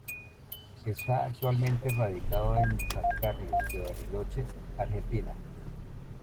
Está actualmente radicado en San Carlos de Bariloche, Argentina.